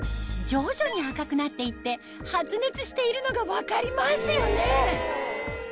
徐々に赤くなって行って発熱しているのが分かりますよね？